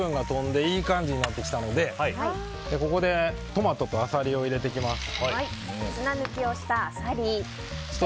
水分が飛んでいい感じになってきたのでここでトマトとアサリを入れていきます。